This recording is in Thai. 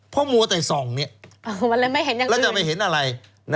เพราะมัวแต่ส่องยังไงแล้วจะไม่เห็นอะไร